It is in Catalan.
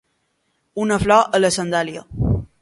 Una flor a la sandàlia.